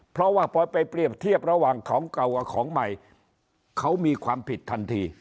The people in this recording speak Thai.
เพราะว่าพอไปเปรียบเทียบระหว่างของเก่ากับของใหม่เขามีความผิดทันที